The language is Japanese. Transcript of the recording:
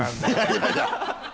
いやいや